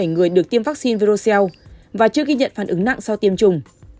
bốn trăm năm mươi một chín mươi bảy người được tiêm vaccine virocell và chưa ghi nhận phản ứng nặng sau tiêm chủng